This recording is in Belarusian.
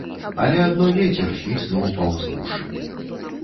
Але адно вецер свіснуў паўз вушы.